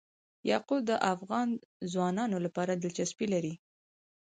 یاقوت د افغان ځوانانو لپاره دلچسپي لري.